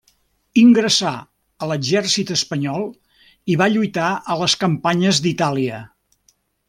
Ingressà a l'exèrcit Espanyol i va lluitar a les campanyes d'Itàlia.